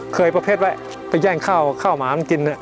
ประเภทว่าไปแย่งข้าวข้าวหมามันกิน